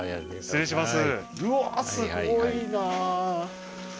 失礼します